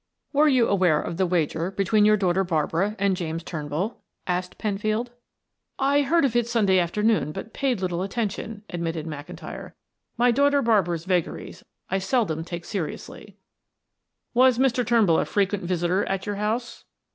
"Were you aware of the wager between your daughter Barbara and James Turnbull?" asked Penfield. "I heard of it Sunday afternoon but paid little attention," admitted McIntyre. "My daughter Barbara's vagaries I seldom take seriously." "Was Mr. Turnbull a frequent visitor at your house?"